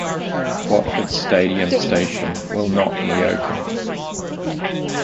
Watford Stadium station will not re-open.